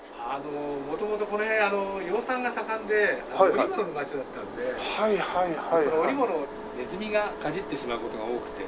元々この辺養蚕が盛んで織物の町だったんでその織物をネズミがかじってしまう事が多くて。